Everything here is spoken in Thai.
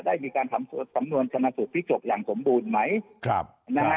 ได้มีการทำเมื่อสมันตุภิกษบอย่างสมบูรณ์ไหมนะฮะ